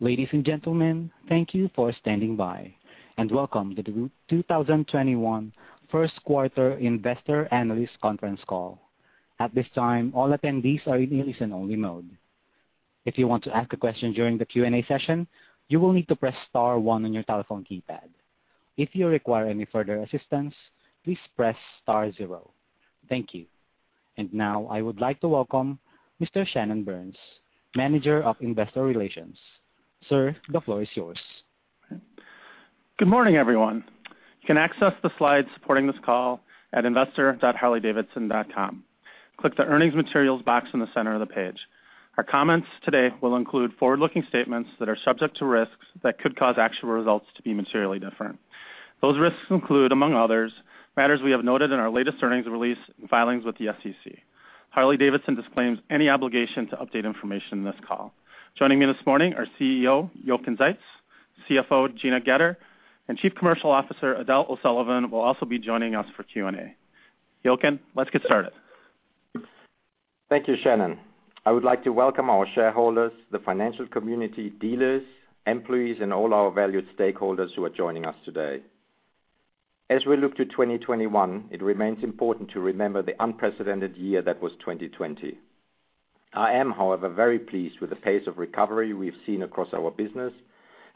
Ladies and gentlemen, thank you for standing by. Welcome to the 2021 first quarter investor analyst conference call. At this time, all attendees are in listen-only mode. If you want to ask a question during the Q&A session, you will need to press star one on your telephone keypad. If you require any further assistance, please press star zero. Thank you. Now I would like to welcome Mr. Shannon Burns, Manager of Investor Relations. Sir, the floor is yours. Good morning, everyone. You can access the slides supporting this call at investor.harleydavidson.com. Click the earnings materials box in the center of the page. Our comments today will include forward-looking statements are subject to risks that could cause actual results to be materially different. Those risks include, among others, matters we have noted in our latest earnings release and filings with the SEC. Harley-Davidson disclaims any obligation to update information in this call. Joining me this morning are CEO Jochen Zeitz, CFO Gina Goetter, and Chief Commercial Officer Edel O'Sullivan will also be joining us for Q&A. Jochen Zeitz, let's get started. Thank you, Shannon. I would like to welcome our shareholders, the financial community dealers, employees, and all our valued stakeholders who are joining us today. As we look to 2021, it remains important to remember the unprecedented year that was 2020. I am, however, very pleased with the pace of recovery we've seen across our business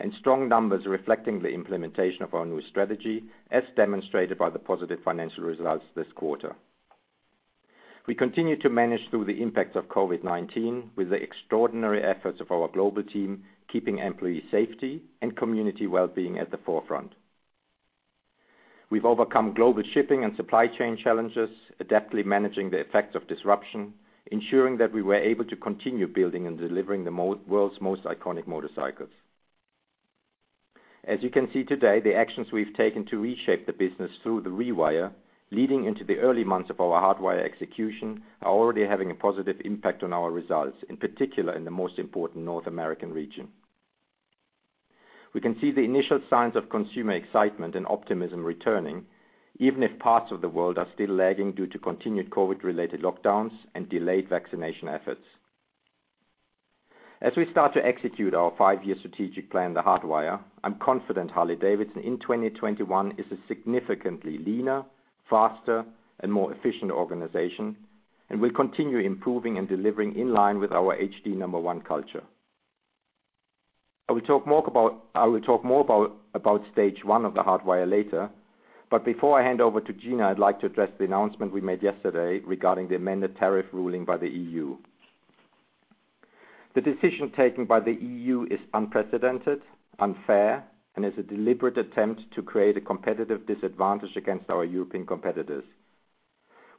and strong numbers reflecting the implementation of our new strategy, as demonstrated by the positive financial results this quarter. We continue to manage through the impacts of COVID-19 with the extraordinary efforts of our global team, keeping employee safety and community well-being at the forefront. We've overcome global shipping and supply chain challenges, adeptly managing the effects of disruption, ensuring that we were able to continue building and delivering the world's most iconic motorcycles. As you can see today, the actions we've taken to reshape the business through The Rewire leading into the early months of our The Hardwire execution are already having a positive impact on our results, in particular in the most important North American region. We can see the initial signs of consumer excitement and optimism returning, even if parts of the world are still lagging due to continued COVID-related lockdowns and delayed vaccination efforts. As we start to execute our five-year strategic plan, The Hardwire, I'm confident Harley-Davidson in 2021 is a significantly leaner, faster, and more efficient organization and will continue improving and delivering in line with our H-D number 1 culture. I will talk more about Stage 1 of The Hardwire later. Before I hand over to Gina, I'd like to address the announcement we made yesterday regarding the amended tariff ruling by the EU. The decision taken by the EU is unprecedented, unfair, and is a deliberate attempt to create a competitive disadvantage against our European competitors.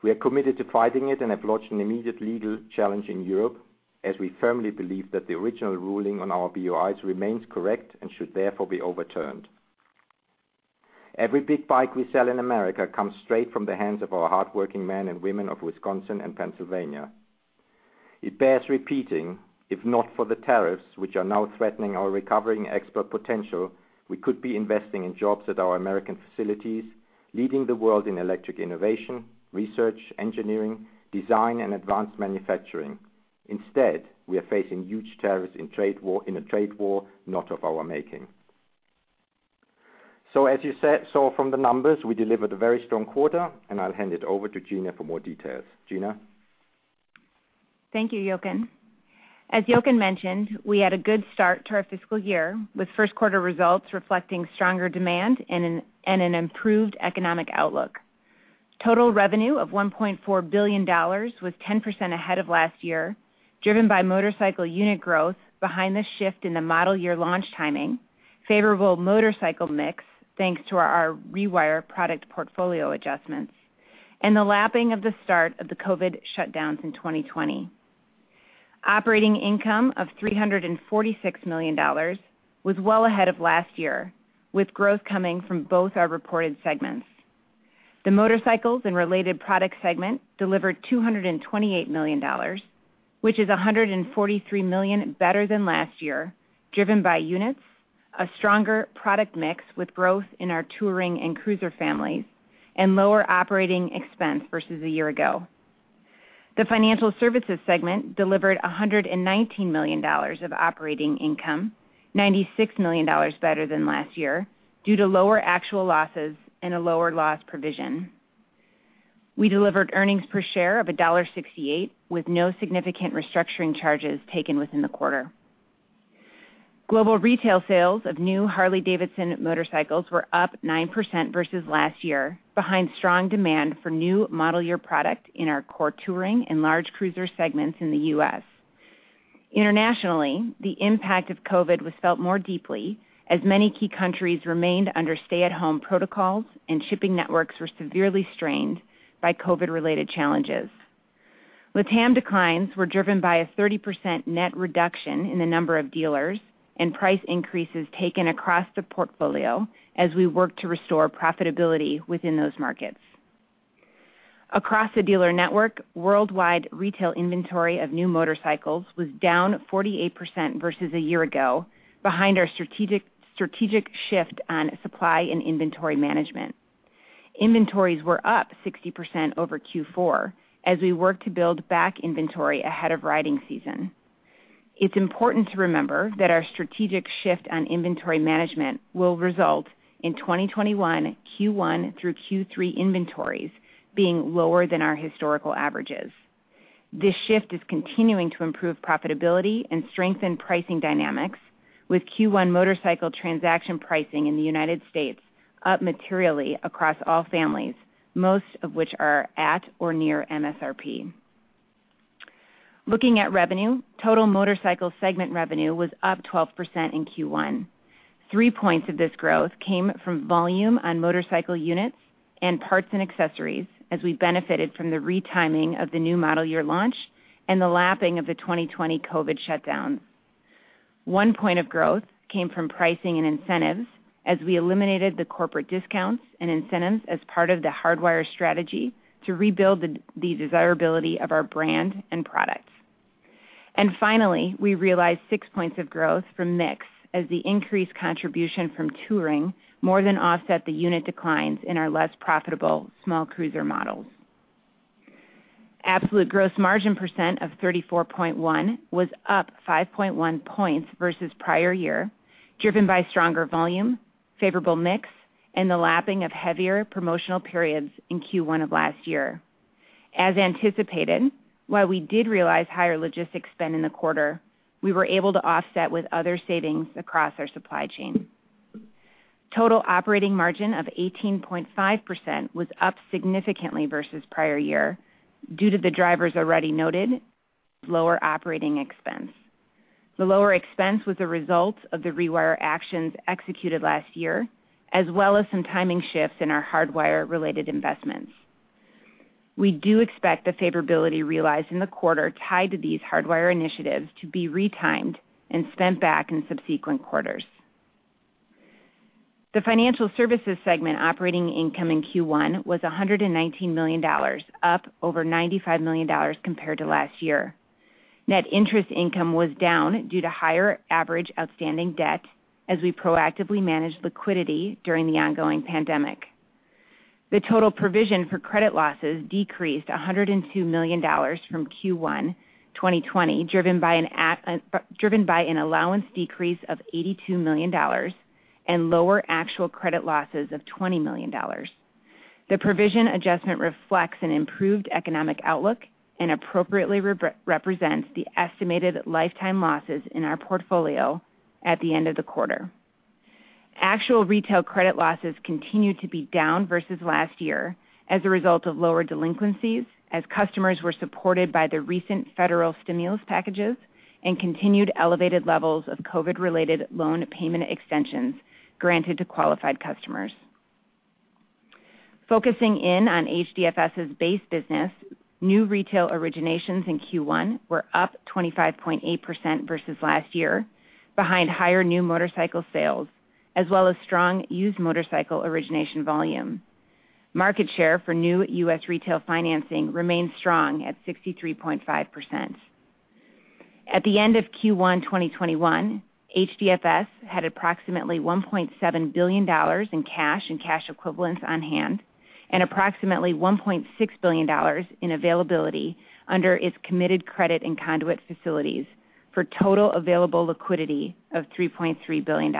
We are committed to fighting it and have lodged an immediate legal challenge in Europe as we firmly believe that the original ruling on our Binding Origin Information remains correct and should therefore be overturned. Every big bike we sell in America comes straight from the hands of our hardworking men and women of Wisconsin and Pennsylvania. It bears repeating, if not for the tariffs, which are now threatening our recovering export potential, we could be investing in jobs at our American facilities, leading the world in electric innovation, research, engineering, design, and advanced manufacturing. Instead, we are facing huge tariffs in a trade war not of our making. As you saw from the numbers, we delivered a very strong quarter, and I'll hand it over to Gina for more details. Gina Goetter? Thank you, Jochen. As Jochen mentioned, we had a good start to our fiscal year, with first quarter results reflecting stronger demand and an improved economic outlook. Total revenue of $1.4 billion was 10% ahead of last year, driven by motorcycle unit growth behind the shift in the model year launch timing, favorable motorcycle mix, thanks to The Rewire product portfolio adjustments, and the lapping of the start of the COVID shutdowns in 2020. Operating income of $346 million was well ahead of last year, with growth coming from both our reported segments. The motorcycles and related product segment delivered $228 million, which is $143 million better than last year, driven by units, a stronger product mix with growth in our touring and cruiser families, and lower operating expense versus a year ago. The Financial Services segment delivered $119 million of operating income, $96 million better than last year, due to lower actual losses and a lower loss provision. We delivered earnings per share of $1.68, with no significant restructuring charges taken within the quarter. Global retail sales of new Harley-Davidson motorcycles were up 9% versus last year, behind strong demand for new model year product in our core touring and large cruiser segments in the U.S. Internationally, the impact of COVID was felt more deeply as many key countries remained under stay-at-home protocols and shipping networks were severely strained by COVID-related challenges. LatAm declines were driven by a 30% net reduction in the number of dealers and price increases taken across the portfolio as we work to restore profitability within those markets. Across the dealer network, worldwide retail inventory of new motorcycles was down 48% versus a year ago, behind our strategic shift on supply and inventory management. Inventories were up 60% over Q4 as we worked to build back inventory ahead of riding season. It's important to remember that our strategic shift on inventory management will result in 2021 Q1 through Q3 inventories being lower than our historical averages. This shift is continuing to improve profitability and strengthen pricing dynamics with Q1 motorcycle transaction pricing in the United States up materially across all families, most of which are at or near manufacturer's suggested retail price. Looking at revenue, total motorcycle segment revenue was up 12% in Q1. Three points of this growth came from volume on motorcycle units and parts and accessories as we benefited from the retiming of the new model year launch and the lapping of the 2020 COVID shutdown. One point of growth came from pricing and incentives as we eliminated the corporate discounts and incentives as part of the Hardwire strategy to rebuild the desirability of our brand and products. Finally, we realized six points of growth from mix as the increased contribution from touring more than offset the unit declines in our less profitable small cruiser models. Absolute gross margin percent of 34.1% was up 5.1 points versus prior year, driven by stronger volume, favorable mix, and the lapping of heavier promotional periods in Q1 of last year. As anticipated, while we did realize higher logistics spend in the quarter, we were able to offset with other savings across our supply chain. Total operating margin of 18.5% was up significantly versus prior year due to the drivers already noted lower operating expense. The lower expense was a result of The Rewire actions executed last year, as well as some timing shifts in our Hardwire-related investments. We do expect the favorability realized in the quarter tied to these Hardwire initiatives to be retimed and spent back in subsequent quarters. The Financial Services segment operating income in Q1 was $119 million, up over $95 million compared to last year. Net interest income was down due to higher average outstanding debt as we proactively managed liquidity during the ongoing pandemic. The total provision for credit losses decreased $102 million from Q1 2020, driven by an allowance decrease of $82 million and lower actual credit losses of $20 million. The provision adjustment reflects an improved economic outlook and appropriately represents the estimated lifetime losses in our portfolio at the end of the quarter. Actual retail credit losses continued to be down versus last year as a result of lower delinquencies as customers were supported by the recent federal stimulus packages and continued elevated levels of COVID-related loan payment extensions granted to qualified customers. Focusing in on Harley-Davidson Financial Services's base business, new retail originations in Q1 were up 25.8% versus last year behind higher new motorcycle sales, as well as strong used motorcycle origination volume. Market share for new U.S. retail financing remains strong at 63.5%. At the end of Q1 2021, HDFS had approximately $1.7 billion in cash and cash equivalents on hand and approximately $1.6 billion in availability under its committed credit and conduit facilities for total available liquidity of $3.3 billion.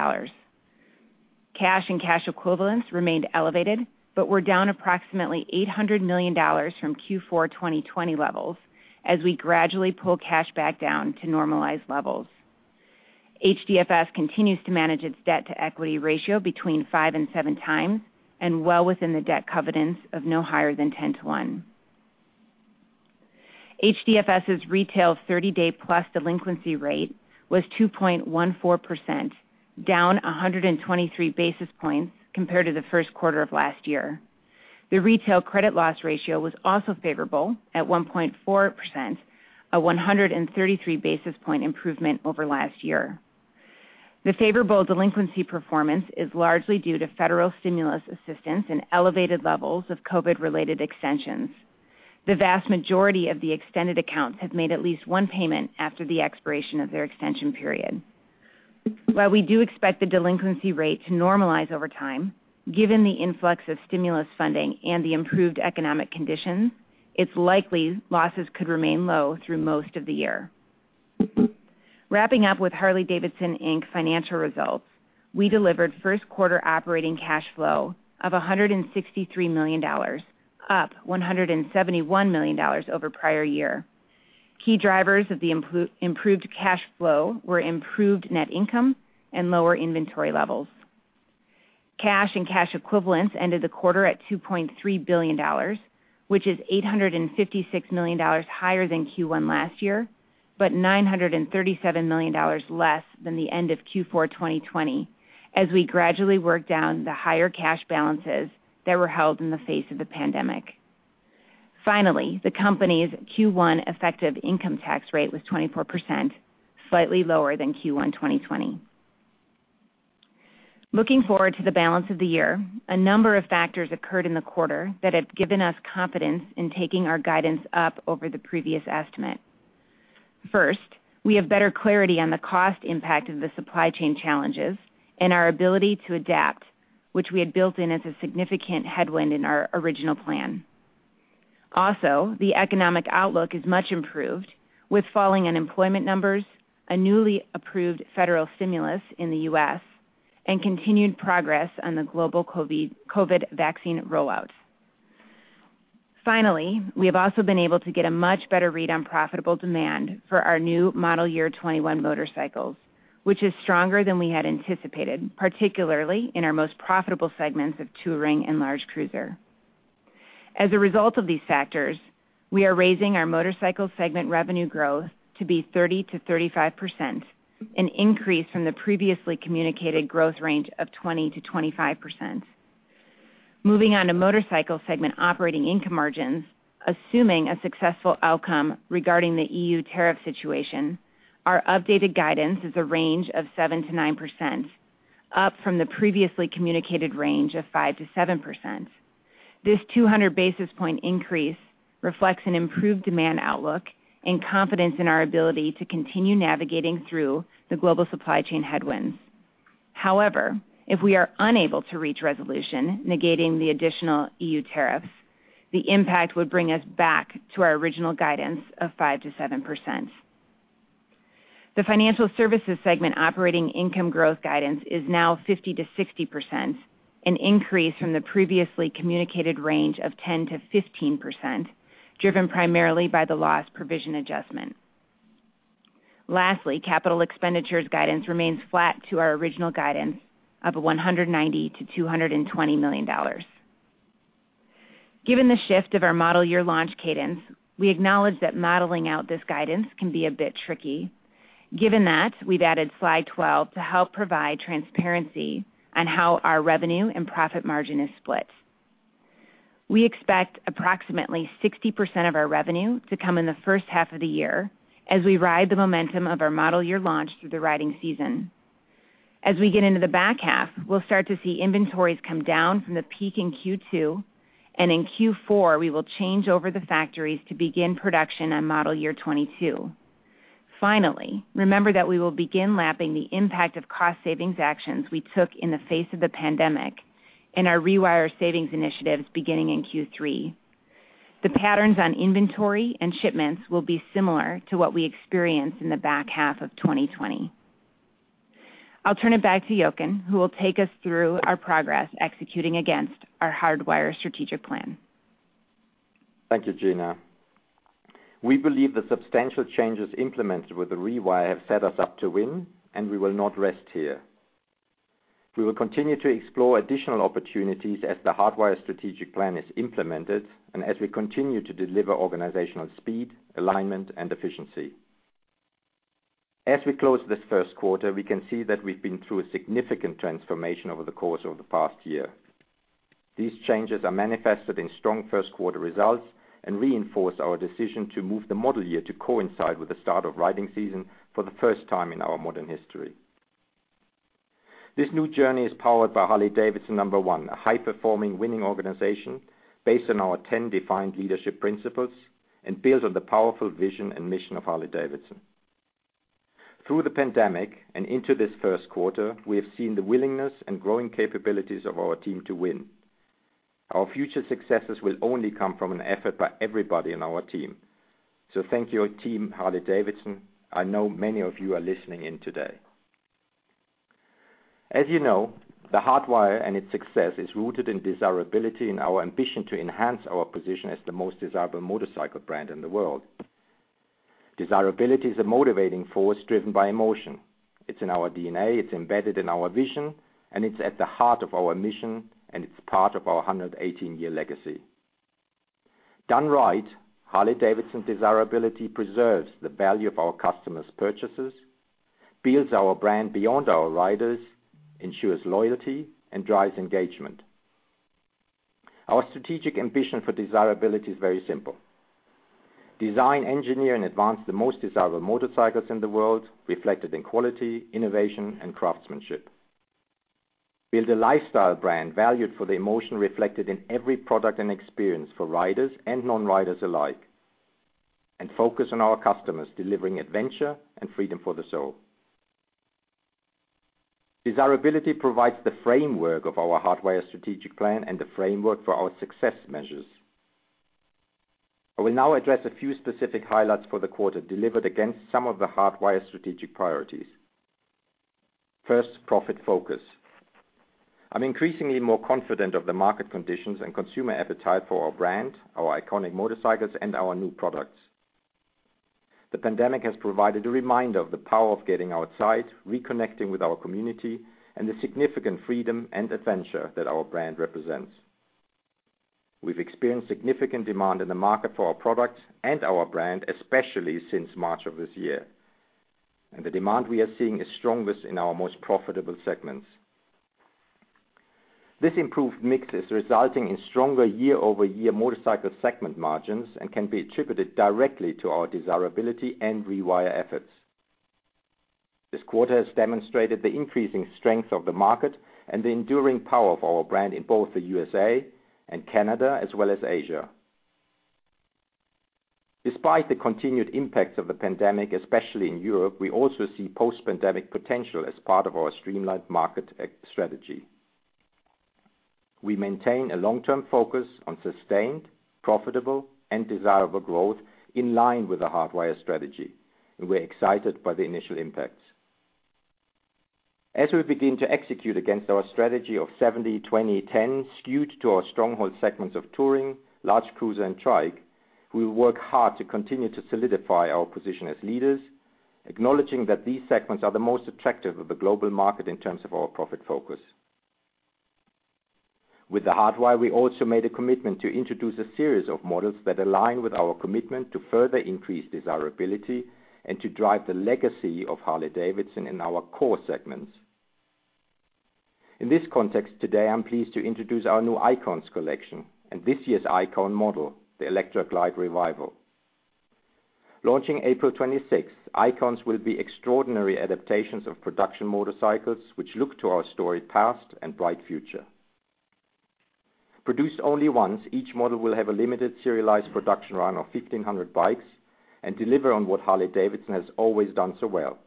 Cash and cash equivalents remained elevated, but were down approximately $800 million from Q4 2020 levels as we gradually pull cash back down to normalized levels. HDFS continues to manage its debt-to-equity ratio between 5x and 7x and well within the debt covenants of no higher than 10:1. HDFS's retail 30+ day delinquency rate was 2.14%, down 123 basis points compared to the first quarter of last year. The retail credit loss ratio was also favorable at 1.4%, a 133 basis points improvement over last year. The favorable delinquency performance is largely due to federal stimulus assistance and elevated levels of COVID-related extensions. The vast majority of the extended accounts have made at least one payment after the expiration of their extension period. While we do expect the delinquency rate to normalize over time, given the influx of stimulus funding and the improved economic conditions, it's likely losses could remain low through most of the year. Wrapping up with Harley-Davidson, Inc. financial results, we delivered first quarter operating cash flow of $163 million, up $171 million over prior year. Key drivers of the improved cash flow were improved net income and lower inventory levels. Cash and cash equivalents ended the quarter at $2.3 billion, which is $856 million higher than Q1 last year, but $937 million less than the end of Q4 2020 as we gradually work down the higher cash balances that were held in the face of the pandemic. Finally, the company's Q1 effective income tax rate was 24%, slightly lower than Q1 2020. Looking forward to the balance of the year, a number of factors occurred in the quarter that have given us confidence in taking our guidance up over the previous estimate. First, we have better clarity on the cost impact of the supply chain challenges and our ability to adapt, which we had built in as a significant headwind in our original plan. Also, the economic outlook is much improved with falling unemployment numbers, a newly approved federal stimulus in the U.S., and continued progress on the global COVID vaccine rollout. Finally, we have also been able to get a much better read on profitable demand for our new model year 2021 motorcycles, which is stronger than we had anticipated, particularly in our most profitable segments of touring and large cruiser. As a result of these factors, we are raising our Motorcycle segment revenue growth to be 30% to 35%, an increase from the previously communicated growth range of 20% to 25%. Moving on to Motorcycle segment operating income margins, assuming a successful outcome regarding the EU tariff situation, our updated guidance is a range of 7%-9%, up from the previously communicated range of 5%-7%. This 200 basis points increase reflects an improved demand outlook and confidence in our ability to continue navigating through the global supply chain headwinds. If we are unable to reach resolution negating the additional EU tariffs, the impact would bring us back to our original guidance of 5%-7%. The Financial Services segment operating income growth guidance is now 50% to 60%, an increase from the previously communicated range of 10%-15%, driven primarily by the loss provision adjustment. Lastly, capital expenditures guidance remains flat to our original guidance of $190 million-$220 million. Given the shift of our model year launch cadence, we acknowledge that modeling out this guidance can be a bit tricky. Given that, we've added slide 12 to help provide transparency on how our revenue and profit margin is split. We expect approximately 60% of our revenue to come in the first half of the year as we ride the momentum of our model year launch through the riding season. As we get into the back half, we'll start to see inventories come down from the peak in Q2, and in Q4, we will change over the factories to begin production on model year 2022. Finally, remember that we will begin lapping the impact of cost savings actions we took in the face of the pandemic and our Rewire savings initiatives beginning in Q3. The patterns on inventory and shipments will be similar to what we experienced in the back half of 2020. I'll turn it back to Jochen, who will take us through our progress executing against our Hardwire strategic plan. Thank you, Gina. We believe the substantial changes implemented with The Rewire have set us up to win, and we will not rest here. We will continue to explore additional opportunities as The Hardwire strategic plan is implemented and as we continue to deliver organizational speed, alignment, and efficiency. As we close this first quarter, we can see that we've been through a significant transformation over the course of the past year. These changes are manifested in strong first-quarter results and reinforce our decision to move the model year to coincide with the start of riding season for the first time in our modern history. This new journey is powered by Harley-Davidson number 1, a high-performing, winning organization based on our 10 defined leadership principles and builds on the powerful vision and mission of Harley-Davidson. Through the pandemic and into this first quarter, we have seen the willingness and growing capabilities of our team to win. Our future successes will only come from an effort by everybody on our team. Thank you, team Harley-Davidson. I know many of you are listening in today. As you know, The Hardwire and its success is rooted in desirability and our ambition to enhance our position as the most desirable motorcycle brand in the world. Desirability is a motivating force driven by emotion. It's in our deoxyribonucleic acid, it's embedded in our vision, and it's at the heart of our mission, and it's part of our 118-year legacy. Done right, Harley-Davidson desirability preserves the value of our customers' purchases, builds our brand beyond our riders, ensures loyalty, and drives engagement. Our strategic ambition for desirability is very simple. Design, engineer, and advance the most desirable motorcycles in the world, reflected in quality, innovation, and craftsmanship. Build a lifestyle brand valued for the emotion reflected in every product and experience for riders and non-riders alike. Focus on our customers delivering adventure and freedom for the soul. Desirability provides the framework of our Hardwire strategic plan and the framework for our success measures. I will now address a few specific highlights for the quarter delivered against some of the Hardwire strategic priorities. First, profit focus. I'm increasingly more confident of the market conditions and consumer appetite for our brand, our iconic motorcycles, and our new products. The pandemic has provided a reminder of the power of getting outside, reconnecting with our community, and the significant freedom and adventure that our brand represents. We've experienced significant demand in the market for our products and our brand, especially since March of this year, and the demand we are seeing is strongest in our most profitable segments. This improved mix is resulting in stronger year-over-year motorcycle segment margins and can be attributed directly to our desirability and The Rewire efforts. This quarter has demonstrated the increasing strength of the market and the enduring power of our brand in both the USA and Canada, as well as Asia. Despite the continued impacts of the pandemic, especially in Europe, we also see post-pandemic potential as part of our streamlined market strategy. We maintain a long-term focus on sustained, profitable, and desirable growth in line with The Hardwire strategy, and we're excited by the initial impacts. As we begin to execute against our strategy of 70/20/10 skewed to our stronghold segments of touring, large cruiser, and trike, we will work hard to continue to solidify our position as leaders, acknowledging that these segments are the most attractive of the global market in terms of our profit focus. With The Hardwire, we also made a commitment to introduce a series of models that align with our commitment to further increase desirability and to drive the legacy of Harley-Davidson in our core segments. In this context, today, I am pleased to introduce our new Icons Collection and this year's Icon model, the Electra Glide Revival. Launching April 26th, Icons will be extraordinary adaptations of production motorcycles, which look to our storied past and bright future. Produced only once, each model will have a limited serialized production run of 1,500 bikes and deliver on what Harley-Davidson has always done so well,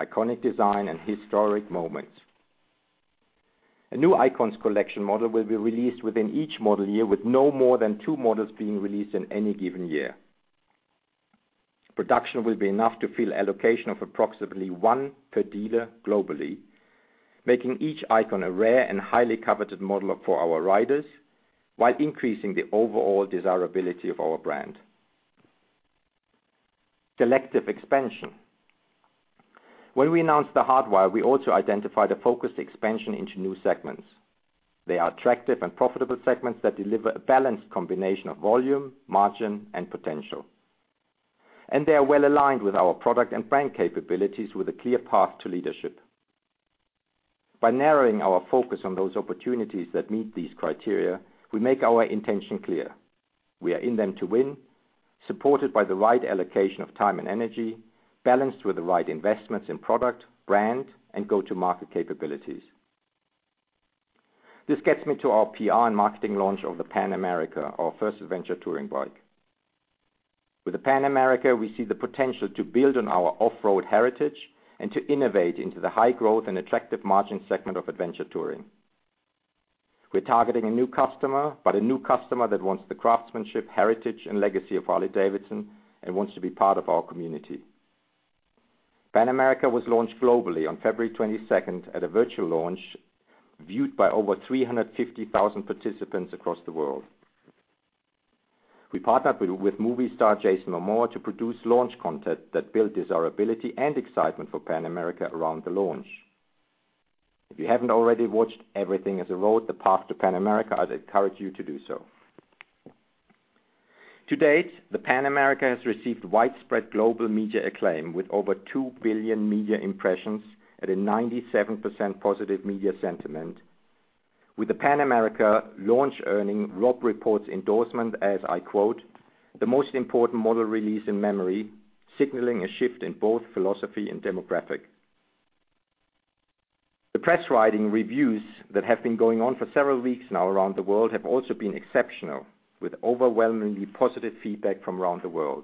iconic design and historic moments. A new Icons Collection model will be released within each model year, with no more than two models being released in any given year. Production will be enough to fill allocation of approximately one per dealer globally, making each Icon a rare and highly coveted model for our riders, while increasing the overall desirability of our brand. Selective expansion. When we announced The Hardwire, we also identified a focused expansion into new segments. They are attractive and profitable segments that deliver a balanced combination of volume, margin, and potential. They are well-aligned with our product and brand capabilities with a clear path to leadership. By narrowing our focus on those opportunities that meet these criteria, we make our intention clear. We are in them to win, supported by the right allocation of time and energy, balanced with the right investments in product, brand, and go-to-market capabilities. This gets me to our public relations and marketing launch of the Pan America, our first adventure touring bike. With the Pan America, we see the potential to build on our off-road heritage and to innovate into the high growth and attractive margin segment of adventure touring. We're targeting a new customer, but a new customer that wants the craftsmanship, heritage, and legacy of Harley-Davidson and wants to be part of our community. Pan America was launched globally on February 22nd at a virtual launch viewed by over 350,000 participants across the world. We partnered with movie star Jason Momoa to produce launch content that built desirability and excitement for Pan America around the launch. If you haven't already watched "Everything Has a Road: The Path to Pan America," I'd encourage you to do so. To date, the Pan America has received widespread global media acclaim with over 2 billion media impressions at a 97% positive media sentiment, with the Pan America launch earning Robb Report's endorsement as, I quote, "The most important model release in memory, signaling a shift in both philosophy and demographic." The press riding reviews that have been going on for several weeks now around the world have also been exceptional, with overwhelmingly positive feedback from around the world.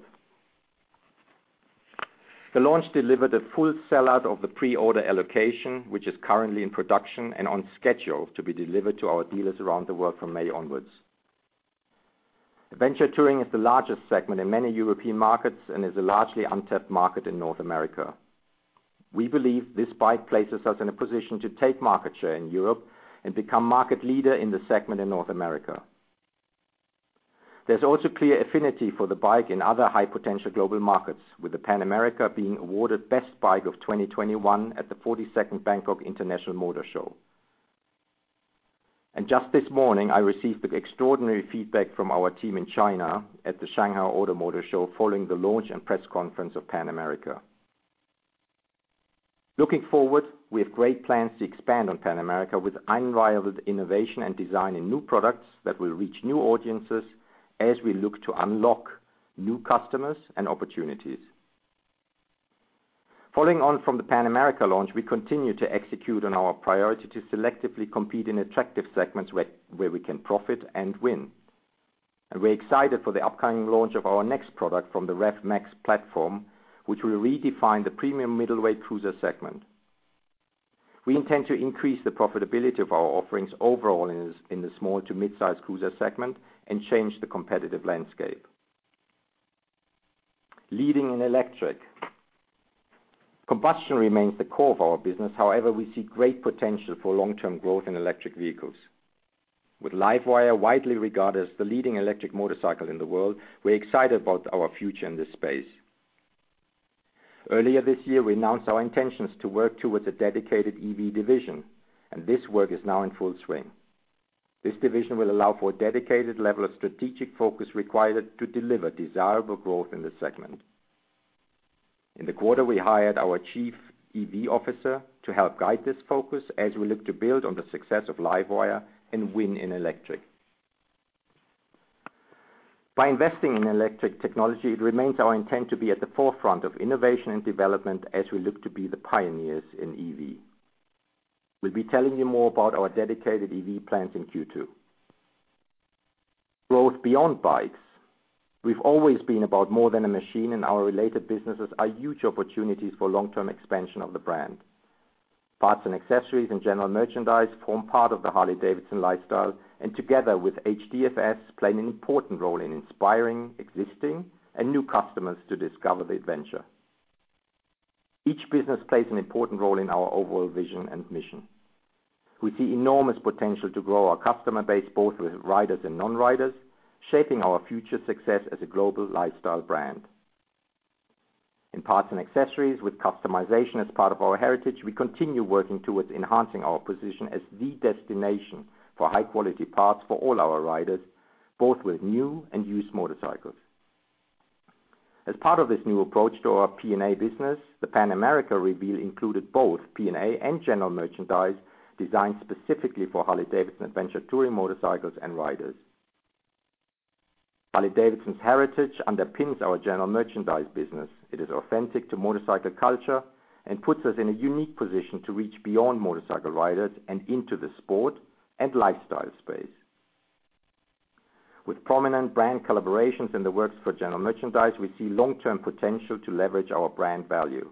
The launch delivered a full sell-out of the pre-order allocation, which is currently in production and on schedule to be delivered to our dealers around the world from May onwards. Adventure touring is the largest segment in many European markets and is a largely untapped market in North America. We believe this bike places us in a position to take market share in Europe and become market leader in the segment in North America. There's also clear affinity for the bike in other high-potential global markets, with the Pan America being awarded best bike of 2021 at the 42nd Bangkok International Motor Show. Just this morning, I received extraordinary feedback from our team in China at the Shanghai Auto Motor Show following the launch and press conference of Pan America. Looking forward, we have great plans to expand on Pan America with unrivaled innovation and design in new products that will reach new audiences as we look to unlock new customers and opportunities. Following on from the Pan America launch, we continue to execute on our priority to selectively compete in attractive segments where we can profit and win. We're excited for the upcoming launch of our next product from the Rev Max platform, which will redefine the premium middleweight cruiser segment. We intend to increase the profitability of our offerings overall in the small to mid-size cruiser segment and change the competitive landscape. Leading in electric. Combustion remains the core of our business. However, we see great potential for long-term growth in electric vehicles. With LiveWire widely regarded as the leading electric motorcycle in the world, we're excited about our future in this space. Earlier this year, we announced our intentions to work towards a dedicated electric vehicle division, and this work is now in full swing. This division will allow for a dedicated level of strategic focus required to deliver desirable growth in this segment. In the quarter, we hired our chief EV officer to help guide this focus as we look to build on the success of LiveWire and win in electric. By investing in electric technology, it remains our intent to be at the forefront of innovation and development as we look to be the pioneers in EV. We'll be telling you more about our dedicated EV plans in Q2. Growth beyond bikes. We've always been about more than a machine, and our related businesses are huge opportunities for long-term expansion of the brand. Parts and accessories and general merchandise form part of the Harley-Davidson lifestyle, and together with HDFS, play an important role in inspiring existing and new customers to discover the adventure. Each business plays an important role in our overall vision and mission. We see enormous potential to grow our customer base, both with riders and non-riders, shaping our future success as a global lifestyle brand. In parts and accessories with customization as part of our heritage, we continue working towards enhancing our position as the destination for high-quality parts for all our riders, both with new and used motorcycles. As part of this new approach to our P&A business, the Pan America reveal included both P&A and general merchandise designed specifically for Harley-Davidson adventure touring motorcycles and riders. Harley-Davidson's heritage underpins our general merchandise business. It is authentic to motorcycle culture and puts us in a unique position to reach beyond motorcycle riders and into the sport and lifestyle space. With prominent brand collaborations in the works for general merchandise, we see long-term potential to leverage our brand value.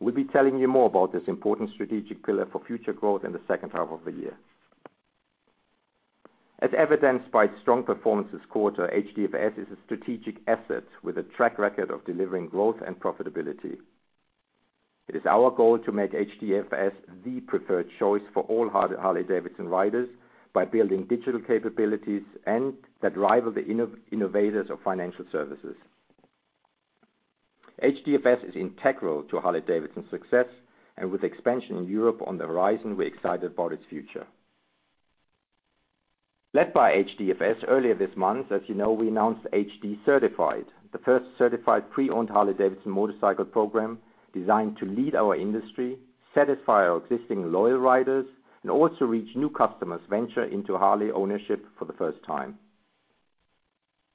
We'll be telling you more about this important strategic pillar for future growth in the second half of the year. As evidenced by its strong performance this quarter, HDFS is a strategic asset with a track record of delivering growth and profitability. It is our goal to make HDFS the preferred choice for all Harley-Davidson riders by building digital capabilities that rival the innovators of financial services. HDFS is integral to Harley-Davidson's success, with expansion in Europe on the horizon, we're excited about its future. Led by HDFS, earlier this month, as you know, we announced H-D Certified, the first certified pre-owned Harley-Davidson motorcycle program designed to lead our industry, satisfy our existing loyal riders, and also reach new customers venture into Harley ownership for the first time.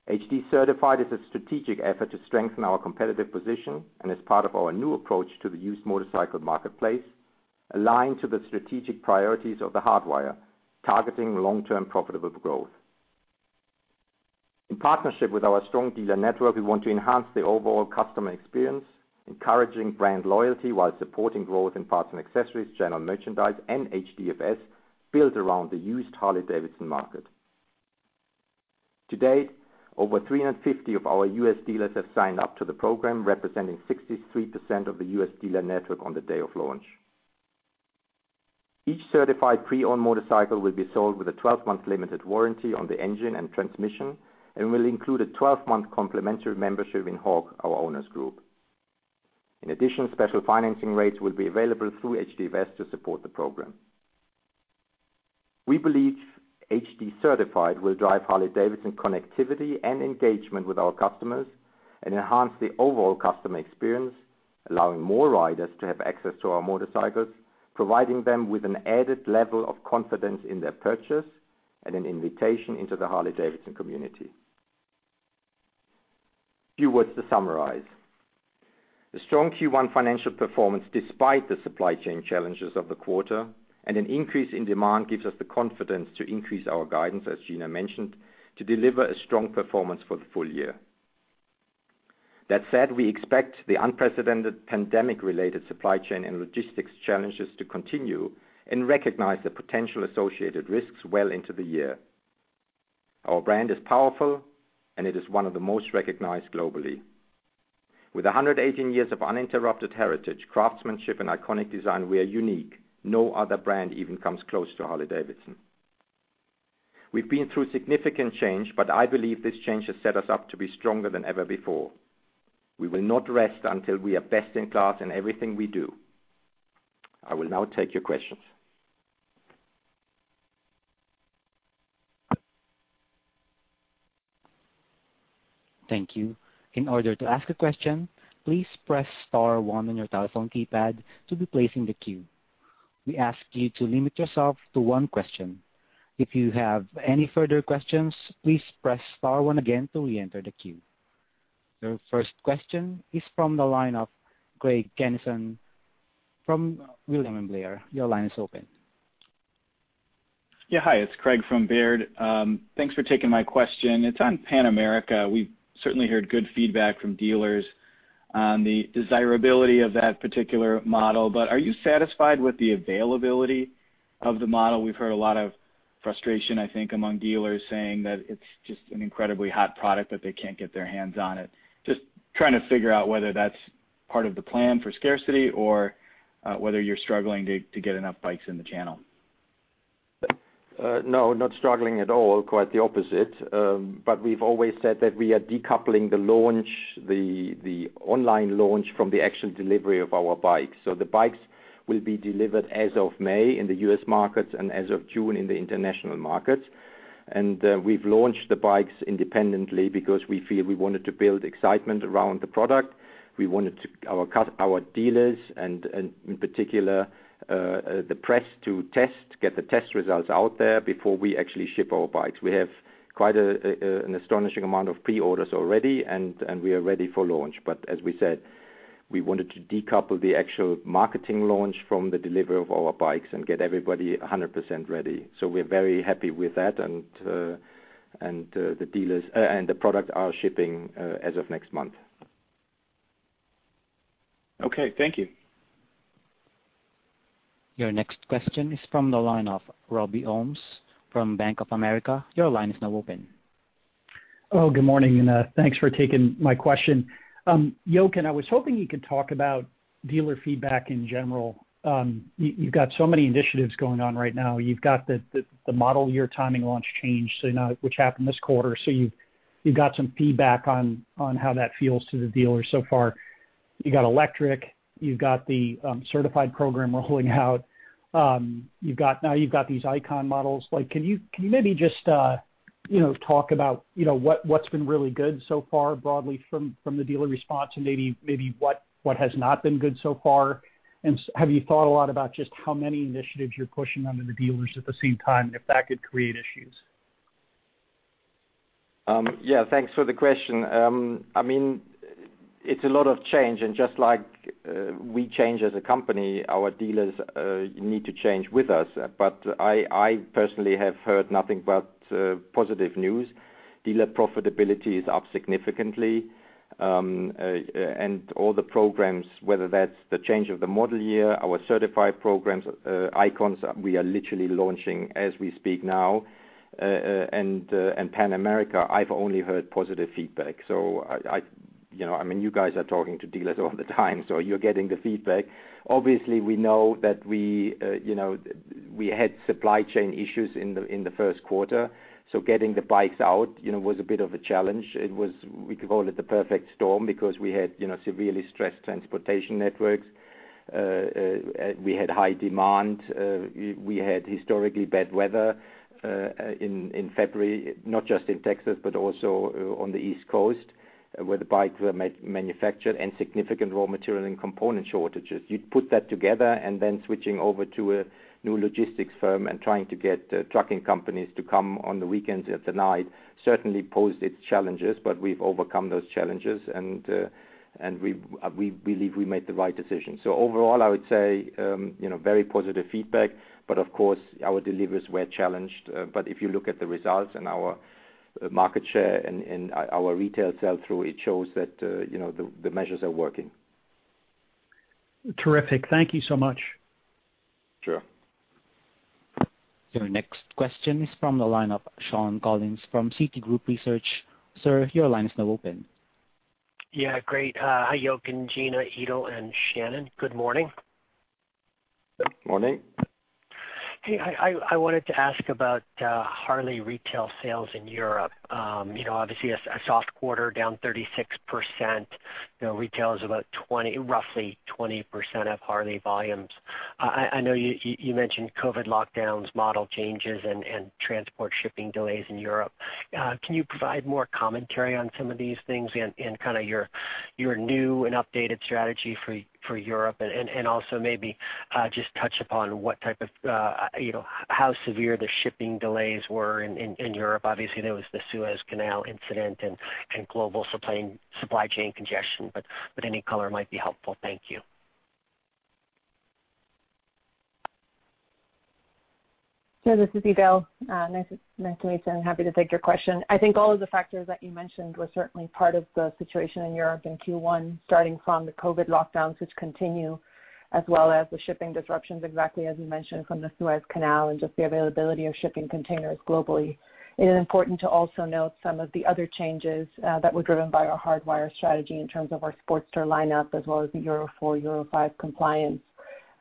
H-D Certified is a strategic effort to strengthen our competitive position and is part of our new approach to the used motorcycle marketplace, aligned to the strategic priorities of the Hardwire, targeting long-term profitable growth. In partnership with our strong dealer network, we want to enhance the overall customer experience, encouraging brand loyalty while supporting growth in parts and accessories, general merchandise and HDFS built around the used Harley-Davidson market. To date, over 350 of our U.S. dealers have signed up to the program, representing 63% of the U.S. dealer network on the day of launch. Each certified pre-owned motorcycle will be sold with a 12-month limited warranty on the engine and transmission and will include a 12-month complimentary membership in H.O.G., our owners group. In addition, special financing rates will be available through HDFS to support the program. We believe H-D Certified will drive Harley-Davidson connectivity and engagement with our customers and enhance the overall customer experience, allowing more riders to have access to our motorcycles, providing them with an added level of confidence in their purchase and an invitation into the Harley-Davidson community. A few words to summarize. The strong Q1 financial performance despite the supply chain challenges of the quarter and an increase in demand, gives us the confidence to increase our guidance, as Gina mentioned, to deliver a strong performance for the full year. That said, we expect the unprecedented pandemic-related supply chain and logistics challenges to continue and recognize the potential associated risks well into the year. Our brand is powerful, and it is one of the most recognized globally. With 118 years of uninterrupted heritage, craftsmanship and iconic design, we are unique. No other brand even comes close to Harley-Davidson. We've been through significant change, but I believe this change has set us up to be stronger than ever before. We will not rest until we are best in class in everything we do. I will now take your questions. Thank you. In order to ask a question, please press star one on your telephone keypad to be placed in the queue. We ask you to limit yourself to one question. If you have any further questions, please press star one again to re-enter the queue. Your first question is from the line of Craig Kennison from Baird. Your line is open. Yeah. Hi, it's Craig from Baird. Thanks for taking my question. It's on Pan America. We've certainly heard good feedback from dealers on the desirability of that particular model. Are you satisfied with the availability of the model? We've heard a lot of frustration, I think, among dealers saying that it's just an incredibly hot product, that they can't get their hands on it. Just trying to figure out whether that's part of the plan for scarcity or whether you're struggling to get enough bikes in the channel. No, not struggling at all. Quite the opposite. We've always said that we are decoupling the online launch from the actual delivery of our bikes. The bikes will be delivered as of May in the U.S. market and as of June in the international market. We've launched the bikes independently because we feel we wanted to build excitement around the product. We wanted our dealers, and in particular, the press to test, get the test results out there before we actually ship our bikes. We have quite an astonishing amount of pre-orders already, and we are ready for launch. As we said, we wanted to decouple the actual marketing launch from the delivery of our bikes and get everybody 100% ready. We're very happy with that, and the product are shipping as of next month. Okay. Thank you. Your next question is from the line of Robby Ohmes from Bank of America. Your line is now open. Hello. Good morning, and thanks for taking my question. Jochen, I was hoping you could talk about dealer feedback in general. You've got so many initiatives going on right now. You've got the model year timing launch change, which happened this quarter. You've got some feedback on how that feels to the dealers so far. You got electric, you've got the Certified program rolling out. Now you've got these Icon models. Can you maybe just talk about what's been really good so far, broadly, from the dealer response and maybe what has not been good so far, and have you thought a lot about just how many initiatives you're pushing onto the dealers at the same time, and if that could create issues? Thanks for the question. It's a lot of change, just like we change as a company, our dealers need to change with us. I personally have heard nothing but positive news. Dealer profitability is up significantly. All the programs, whether that's the change of the model year, our certified programs, Icons, we are literally launching as we speak now. Pan America, I've only heard positive feedback. You guys are talking to dealers all the time, so you're getting the feedback. Obviously, we know that we had supply chain issues in the first quarter, getting the bikes out was a bit of a challenge. We could call it the perfect storm because we had severely stressed transportation networks. We had high demand. We had historically bad weather in February, not just in Texas, but also on the East Coast, where the bikes were manufactured, and significant raw material and component shortages. You'd put that together and then switching over to a new logistics firm and trying to get trucking companies to come on the weekends and at the night certainly posed its challenges, but we've overcome those challenges, and we believe we made the right decision. Overall, I would say, very positive feedback, but of course, our deliveries were challenged. If you look at the results and our market share and our retail sell-through, it shows that the measures are working. Terrific. Thank you so much. Sure. Your next question is from the line of Shawn Collins from Citigroup. Sir, your line is now open. Yeah. Great. Hi, Jochen, Gina, Edel, and Shannon. Good morning. Morning. Hey, I wanted to ask about Harley retail sales in Europe. Obviously, a soft quarter, down 36%. Retail is about roughly 20% of Harley volumes. I know you mentioned COVID lockdowns, model changes, and transport shipping delays in Europe. Can you provide more commentary on some of these things and kind of your new and updated strategy for Europe and also maybe just touch upon how severe the shipping delays were in Europe? Obviously, there was the Suez Canal incident and global supply chain congestion. Any color might be helpful. Thank you. Sir, this is Edel O'Sullivan. Nice to meet you, and happy to take your question. I think all of the factors that you mentioned were certainly part of the situation in Europe in Q1, starting from the COVID lockdowns, which continue, as well as the shipping disruptions, exactly as you mentioned, from the Suez Canal and just the availability of shipping containers globally. It is important to also note some of the other changes that were driven by our Hardwire strategy in terms of our Sportster lineup, as well as the Euro 4, Euro 5 compliance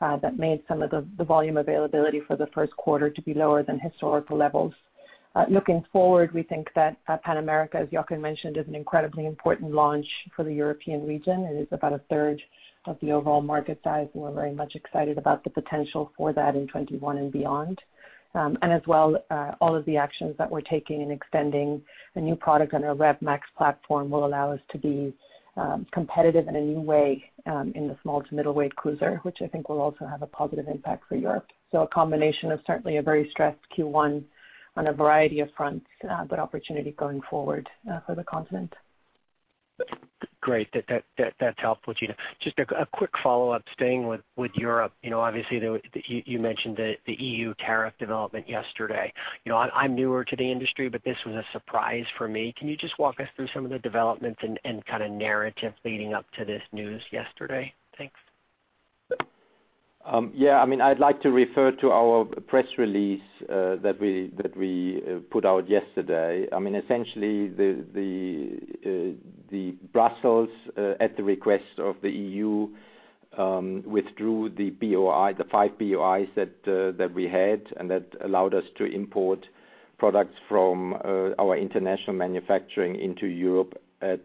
that made some of the volume availability for the first quarter to be lower than historical levels. Looking forward, we think that Pan America, as Jochen mentioned, is an incredibly important launch for the European region. It is about a third of the overall market size, and we're very much excited about the potential for that in 2021 and beyond. As well, all of the actions that we're taking in extending a new product on our Rev Max platform will allow us to be competitive in a new way in the small to middleweight cruiser, which I think will also have a positive impact for Europe. A combination of certainly a very stressed Q1 on a variety of fronts, but opportunity going forward for the continent. Great. That's helpful, Gina. Just a quick follow-up, staying with Europe. Obviously, you mentioned the EU tariff development yesterday. I'm newer to the industry, but this was a surprise for me. Can you just walk us through some of the developments and kind of narrative leading up to this news yesterday? Thanks. Yeah. I'd like to refer to our press release that we put out yesterday. Essentially, the Brussels, at the request of the EU, withdrew the five BOIs that we had, and that allowed us to import products from our international manufacturing into Europe at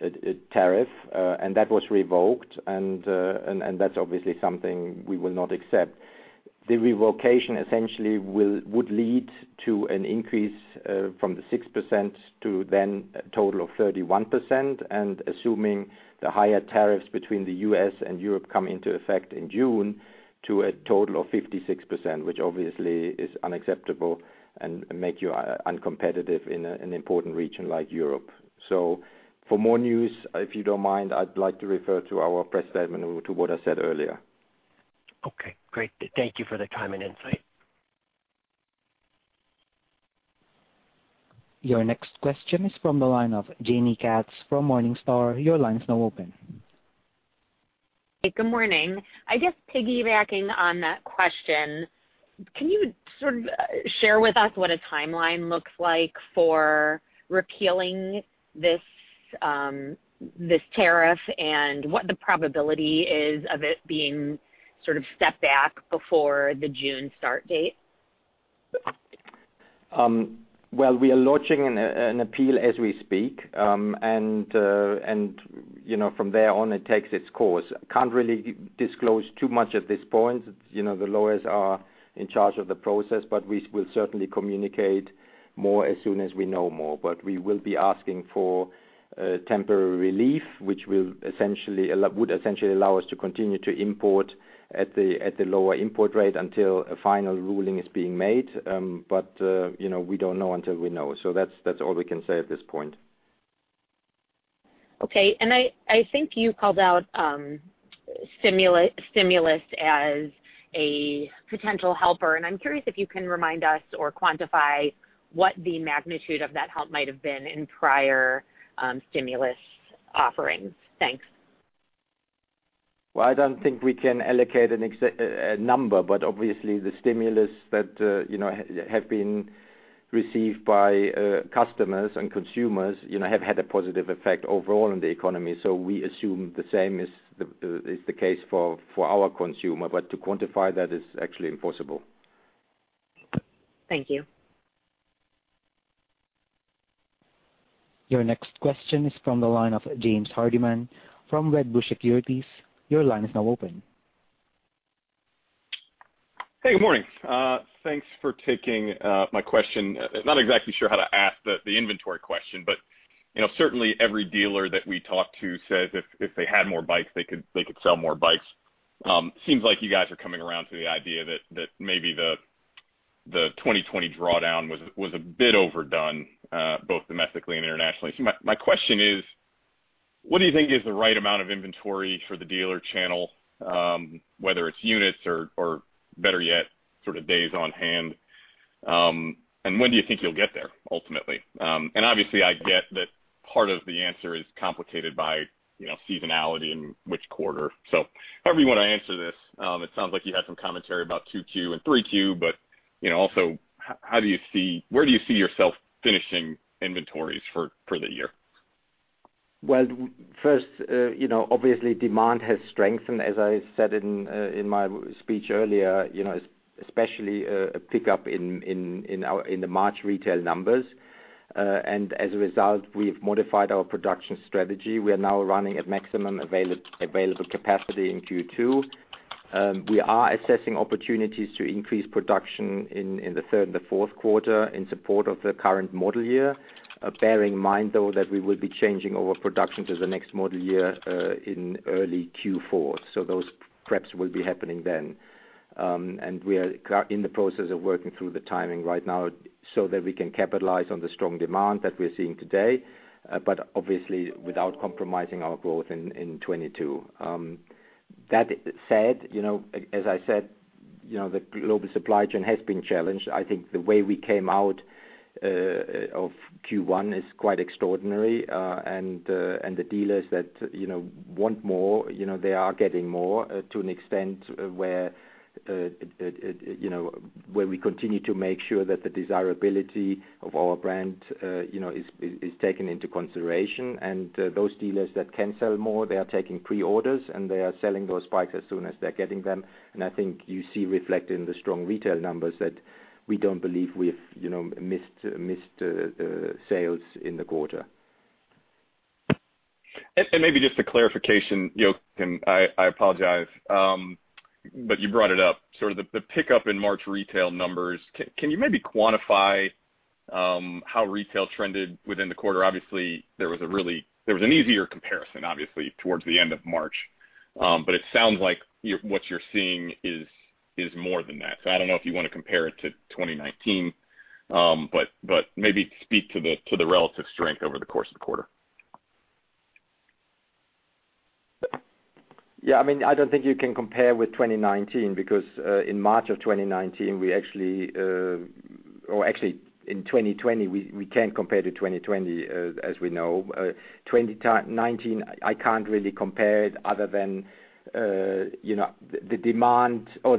a 6% tariff, and that was revoked, and that's obviously something we will not accept. The revocation essentially would lead to an increase from the 6% to then a total of 31%, and assuming the higher tariffs between the U.S. and Europe come into effect in June, to a total of 56%, which obviously is unacceptable and make you uncompetitive in an important region like Europe. For more news, if you don't mind, I'd like to refer to our press statement or to what I said earlier. Okay, great. Thank you for the time and insight. Your next question is from the line of Jaime Katz from Morningstar. Your line is now open. Hey, good morning. I guess piggybacking on that question, can you sort of share with us what a timeline looks like for repealing this tariff and what the probability is of it being sort of stepped back before the June start date? Well, we are launching an appeal as we speak. From there on, it takes its course. Can't really disclose too much at this point. The lawyers are in charge of the process. We will certainly communicate more as soon as we know more. We will be asking for temporary relief, which would essentially allow us to continue to import at the lower import rate until a final ruling is being made. We don't know until we know. That's all we can say at this point. Okay. I think you called out stimulus as a potential helper, and I'm curious if you can remind us or quantify what the magnitude of that help might have been in prior stimulus offerings? Thanks. Well, I don't think we can allocate a number, but obviously the stimulus that have been received by customers and consumers have had a positive effect overall on the economy. We assume the same is the case for our consumer, but to quantify that is actually impossible. Thank you. Your next question is from the line of James Hardiman from Wedbush Securities. Your line is now open. Hey, good morning. Thanks for taking my question. Not exactly sure how to ask the inventory question. Certainly every dealer that we talk to says if they had more bikes, they could sell more bikes. Seems like you guys are coming around to the idea that maybe the 2020 drawdown was a bit overdone, both domestically and internationally. My question is, what do you think is the right amount of inventory for the dealer channel, whether it's units or better yet, sort of days on hand? When do you think you'll get there ultimately? Obviously, I get that part of the answer is complicated by seasonality and which quarter. However you want to answer this, it sounds like you had some commentary about Q2 and Q3, but also where do you see yourself finishing inventories for the year? Well, first, obviously demand has strengthened, as I said in my speech earlier, especially a pickup in the March retail numbers. As a result, we've modified our production strategy. We are now running at maximum available capacity in Q2. We are assessing opportunities to increase production in the third and the fourth quarter in support of the current model year. Bearing in mind, though, that we will be changing over production to the next model year in early Q4. Those preps will be happening then. We are in the process of working through the timing right now so that we can capitalize on the strong demand that we're seeing today. Obviously without compromising our growth in 2022. That said, as I said, the global supply chain has been challenged. I think the way we came out of Q1 is quite extraordinary. The dealers that want more, they are getting more to an extent where we continue to make sure that the desirability of our brand is taken into consideration. Those dealers that can sell more, they are taking pre-orders, and they are selling those bikes as soon as they're getting them. I think you see reflected in the strong retail numbers that we don't believe we've missed sales in the quarter. Maybe just a clarification, Jochen, I apologize, but you brought it up, sort of the pickup in March retail numbers. Can you maybe quantify how retail trended within the quarter? Obviously, there was an easier comparison, obviously, towards the end of March, but it sounds like what you're seeing is more than that. I don't know if you want to compare it to 2019, but maybe speak to the relative strength over the course of the quarter. Yeah, I don't think you can compare with 2019 because in March of 2019, actually in 2020, we can't compare to 2020 as we know. 2019, I can't really compare it other than the demand or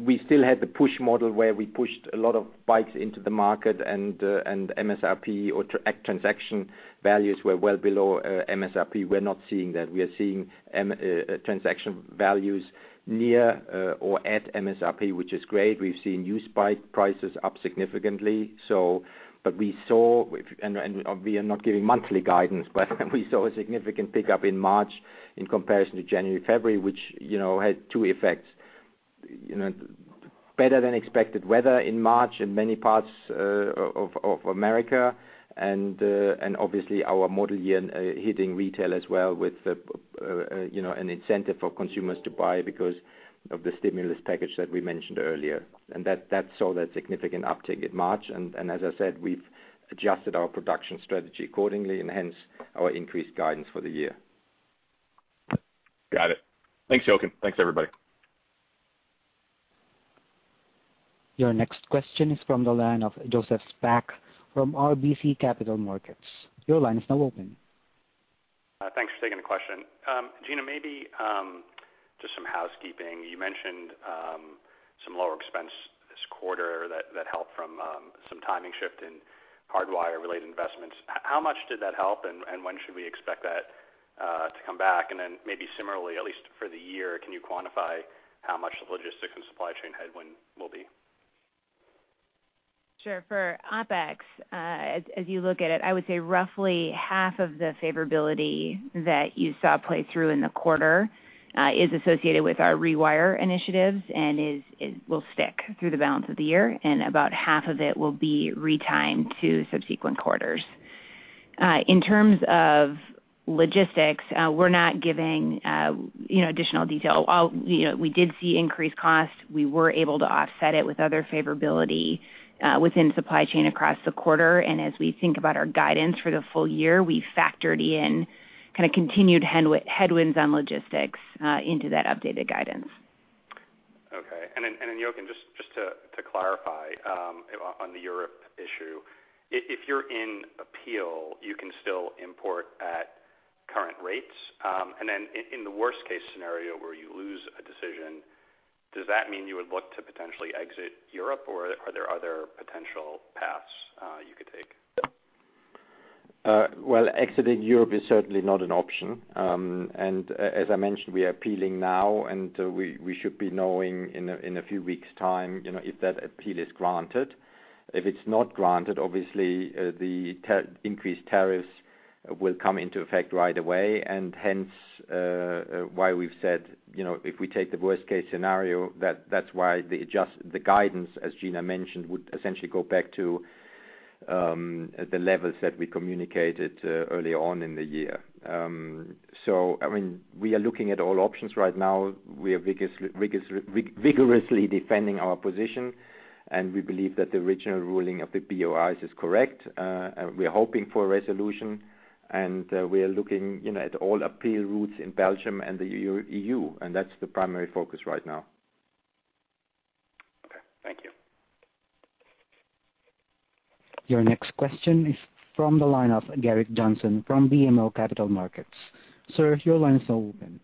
we still had the push model where we pushed a lot of bikes into the market and MSRP or transaction values were well below MSRP. We're not seeing that. We are seeing transaction values near or at MSRP, which is great. We've seen used bike prices up significantly. We saw, and we are not giving monthly guidance, but we saw a significant pickup in March in comparison to January, February, which had two effects. Better than expected weather in March in many parts of America, obviously our model year hitting retail as well with an incentive for consumers to buy because of the stimulus package that we mentioned earlier. That saw that significant uptick in March. As I said, we've adjusted our production strategy accordingly and hence our increased guidance for the year. Got it. Thanks, Jochen. Thanks, everybody. Your next question is from the line of Joseph Spak from RBC Capital Markets. Your line is now open. Thanks for taking the question. Gina, maybe just some housekeeping. You mentioned some lower expense this quarter that helped from some timing shift in The Hardwire-related investments. How much did that help, and when should we expect that to come back? Maybe similarly, at least for the year, can you quantify how much the logistics and supply chain headwind will be? Sure. For OpEx, as you look at it, I would say roughly half of the favorability that you saw play through in the quarter is associated with The Rewire initiatives and will stick through the balance of the year, and about half of it will be retimed to subsequent quarters. In terms of logistics, we're not giving additional detail. We did see increased costs. We were able to offset it with other favorability within supply chain across the quarter. As we think about our guidance for the full year, we factored in continued headwinds on logistics into that updated guidance. Okay. Then Jochen, just to clarify on the Europe issue, if you're in appeal, you can still import at current rates? Then in the worst-case scenario where you lose a decision, does that mean you would look to potentially exit Europe, or are there other potential paths you could take? Well, exiting Europe is certainly not an option. As I mentioned, we are appealing now, and we should be knowing in a few weeks' time if that appeal is granted. If it's not granted, obviously, the increased tariffs will come into effect right away, hence why we've said if we take the worst-case scenario, that's why the guidance, as Gina mentioned, would essentially go back to the levels that we communicated early on in the year. We are looking at all options right now. We are vigorously defending our position, and we believe that the original ruling of the BOI is correct. We are hoping for a resolution, and we are looking at all appeal routes in Belgium and the EU, that's the primary focus right now. Okay. Thank you. Your next question is from the line of Gerrick Johnson from BMO Capital Markets. Sir, your line is now open.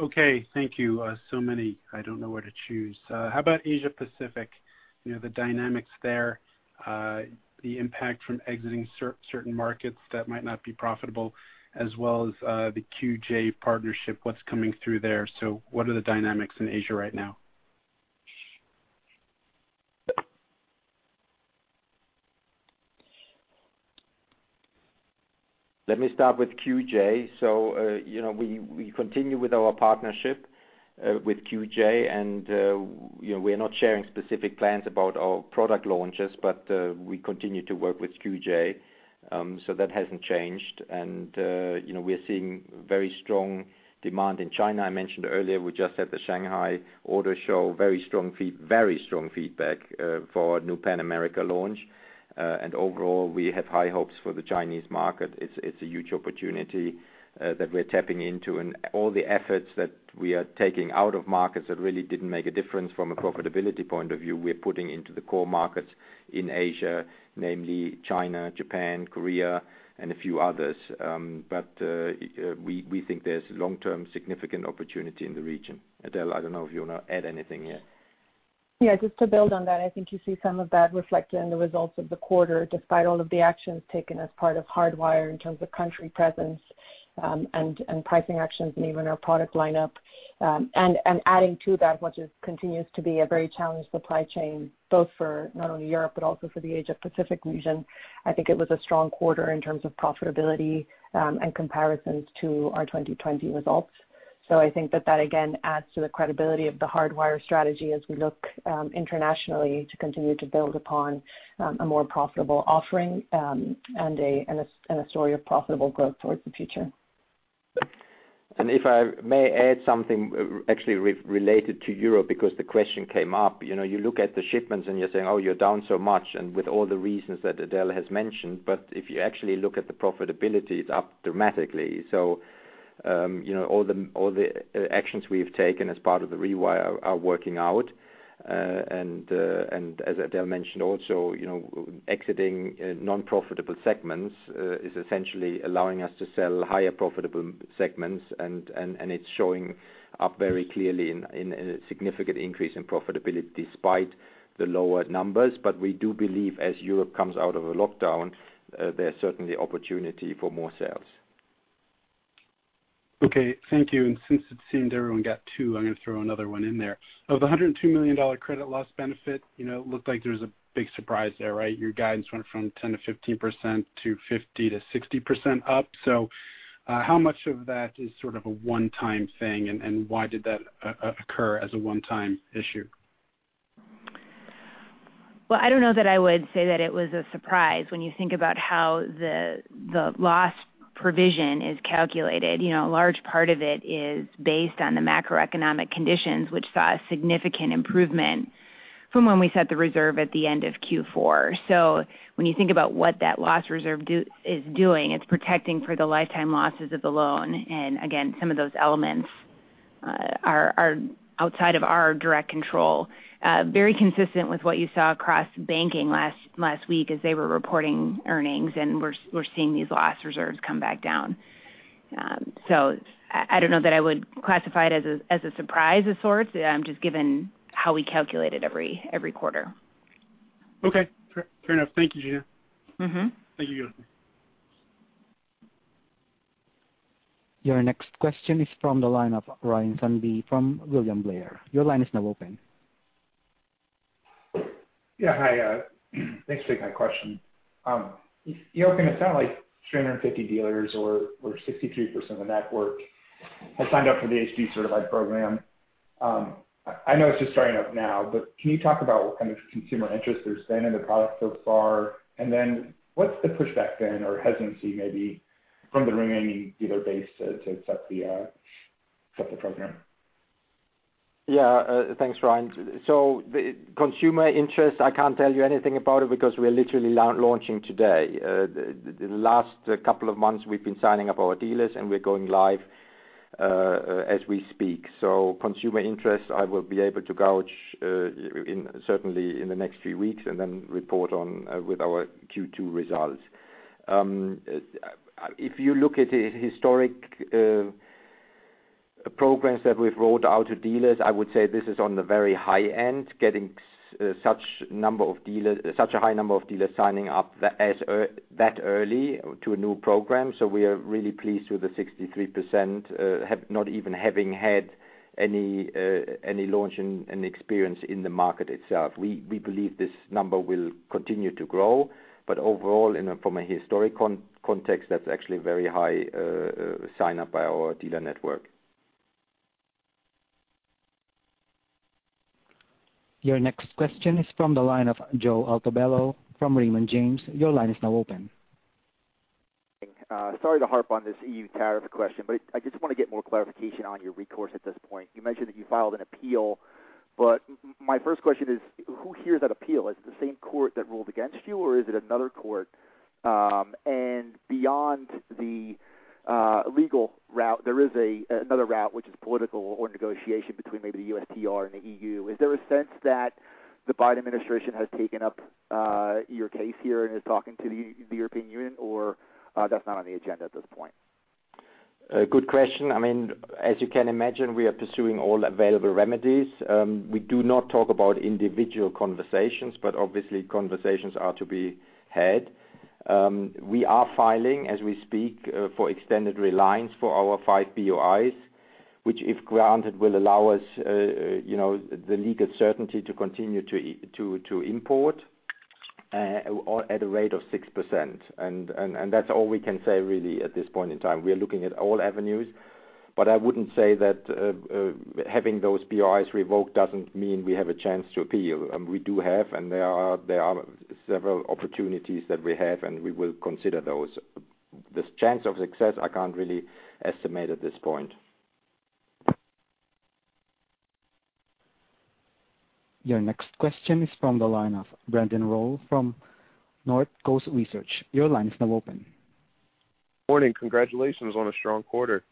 Okay. Thank you. Many, I don't know where to choose. How about Asia Pacific, the dynamics there, the impact from exiting certain markets that might not be profitable, as well as the QJ partnership, what's coming through there? What are the dynamics in Asia right now? Let me start with QJ. We continue with our partnership with QJ and we are not sharing specific plans about our product launches, but we continue to work with QJ. That hasn't changed. We're seeing very strong demand in China. I mentioned earlier we just had the Shanghai Auto Show, very strong feedback for our new Pan America launch. Overall, we have high hopes for the Chinese market. It's a huge opportunity that we're tapping into. All the efforts that we are taking out of markets that really didn't make a difference from a profitability point of view, we're putting into the core markets in Asia, namely China, Japan, Korea, and a few others. We think there's long-term significant opportunity in the region. Edel, I don't know if you want to add anything here. Yeah, just to build on that, I think you see some of that reflected in the results of the quarter, despite all of the actions taken as part of The Hardwire in terms of country presence and pricing actions, and even our product lineup. Adding to that, which continues to be a very challenged supply chain, both for not only Europe but also for the Asia Pacific region. I think it was a strong quarter in terms of profitability and comparisons to our 2020 results. I think that again adds to the credibility of The Hardwire strategy as we look internationally to continue to build upon a more profitable offering and a story of profitable growth towards the future. If I may add something actually related to Europe, because the question came up. You look at the shipments and you're saying, "Oh, you're down so much," and with all the reasons that Edel has mentioned. If you actually look at the profitability, it's up dramatically. All the actions we've taken as part of The Rewire are working out. As Edel mentioned also, exiting non-profitable segments is essentially allowing us to sell higher profitable segments, and it's showing up very clearly in a significant increase in profitability despite the lower numbers. We do believe as Europe comes out of a lockdown, there's certainly opportunity for more sales. Okay. Thank you. Since it seemed everyone got two, I'm going to throw another one in there. Of the $102 million credit loss benefit, it looked like there was a big surprise there, right? Your guidance went from 10%-15% to 50%-60% up. How much of that is sort of a one-time thing, and why did that occur as a one-time issue? Well, I don't know that I would say that it was a surprise when you think about how the loss provision is calculated. A large part of it is based on the macroeconomic conditions, which saw a significant improvement from when we set the reserve at the end of Q4. When you think about what that loss reserve is doing, it's protecting for the lifetime losses of the loan. Again, some of those elements are outside of our direct control. Very consistent with what you saw across banking last week as they were reporting earnings, and we're seeing these loss reserves come back down. I don't know that I would classify it as a surprise of sorts, just given how we calculate it every quarter. Okay. Fair enough. Thank you, Gina. Thank you. Your next question is from the line of Ryan Sundby from William Blair. Your line is now open. Yeah, hi. Thanks for taking my question. Jochen, it sounded like 350 dealers or 63% of the network have signed up for the H-D Certified program. I know it's just starting up now. Can you talk about what kind of consumer interest there's been in the product so far? What's the pushback then, or hesitancy maybe from the remaining dealer base to accept the program? Yeah. Thanks, Ryan. The consumer interest, I can't tell you anything about it because we're literally launching today. The last couple of months we've been signing up our dealers, and we're going live as we speak. Consumer interest I will be able to gauge certainly in the next few weeks, and then report on with our Q2 results. If you look at the historic programs that we've rolled out to dealers, I would say this is on the very high end, getting such a high number of dealers signing up that early to a new program. We are really pleased with the 63%, not even having had any launch and experience in the market itself. We believe this number will continue to grow, but overall, from a historic context, that's actually a very high sign-up by our dealer network. Your next question is from the line of Joseph Altobello from Raymond James. Your line is now open. Sorry to harp on this EU tariff question, I just want to get more clarification on your recourse at this point. You mentioned that you filed an appeal, my first question is, who hears that appeal? Is it the same court that ruled against you is it another court? Beyond the legal route, there is another route which is political or negotiation between maybe the USTR and the EU. Is there a sense that the Biden administration has taken up your case here and is talking to the European Union or that's not on the agenda at this point? Good question. As you can imagine, we are pursuing all available remedies. We do not talk about individual conversations, but obviously conversations are to be had. We are filing as we speak for extended reliance for our five BOIs, which, if granted, will allow us the legal certainty to continue to import at a rate of 6%. That's all we can say really at this point in time. We are looking at all avenues. I wouldn't say that having those BOIs revoked doesn't mean we have a chance to appeal. We do have, and there are several opportunities that we have, and we will consider those. The chance of success I can't really estimate at this point. Your next question is from the line of Brandon Rolle from Northcoast Research. Morning. Congratulations on a strong quarter.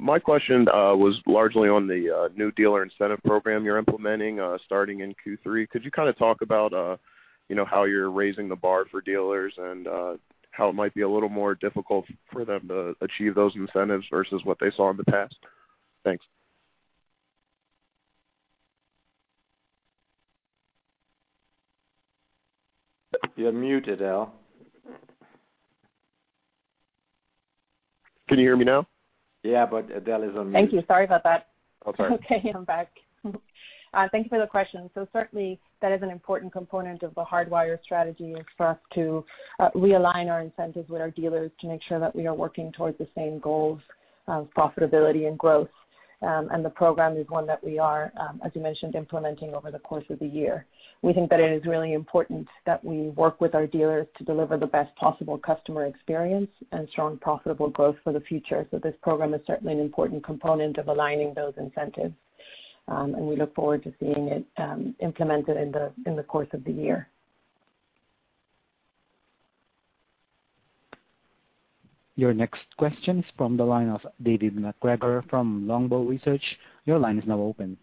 My question was largely on the new dealer incentive program you're implementing starting in Q3. Could you talk about how you're raising the bar for dealers and how it might be a little more difficult for them to achieve those incentives versus what they saw in the past? Thanks. You're muted, Edel. Can you hear me now? Yeah, Edel is on mute. Thank you. Sorry about that. Oh, sorry. Okay, I'm back. Thank you for the question. Certainly that is an important component of The Hardwire is for us to realign our incentives with our dealers to make sure that we are working towards the same goals of profitability and growth. The program is one that we are, as you mentioned, implementing over the course of the year. We think that it is really important that we work with our dealers to deliver the best possible customer experience and strong profitable growth for the future. This program is certainly an important component of aligning those incentives. We look forward to seeing it implemented in the course of the year. Your next question is from the line of David MacGregor from Longbow Research. Your line is now open.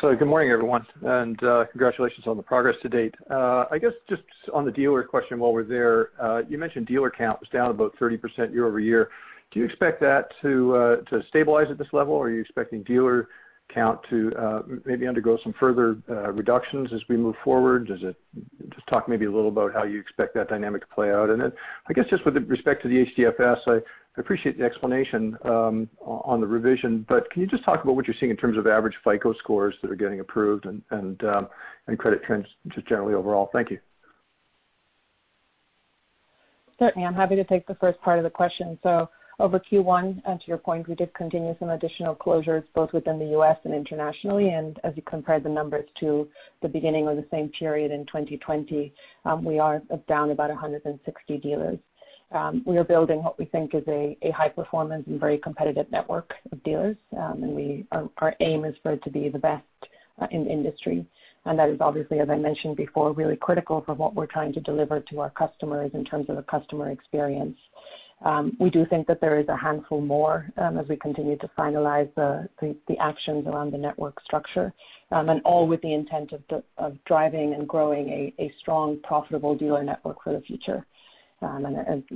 Good morning everyone, and congratulations on the progress to date. I guess just on the dealer question while we're there, you mentioned dealer count was down about 13% year-over-year. Do you expect that to stabilize at this level? Are you expecting dealer count to maybe undergo some further reductions as we move forward? Just talk maybe a little about how you expect that dynamic to play out. Then I guess just with respect to the HDFS, I appreciate the explanation on the revision, but can you just talk about what you're seeing in terms of average Fair Isaac Corporation scores that are getting approved and credit trends just generally overall? Thank you. Certainly. I'm happy to take the first part of the question. Over Q1, to your point, we did continue some additional closures both within the U.S. and internationally. As you compare the numbers to the beginning of the same period in 2020, we are down about 160 dealers. We are building what we think is a high performance and very competitive network of dealers. Our aim is for it to be the best In the industry. That is obviously, as I mentioned before, really critical for what we're trying to deliver to our customers in terms of the customer experience. We do think that there is a handful more as we continue to finalize the actions around the network structure and all with the intent of driving and growing a strong, profitable dealer network for the future.